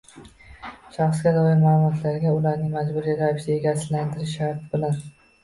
shaxsga doir ma’lumotlarga ularni majburiy ravishda egasizlantirish sharti bilan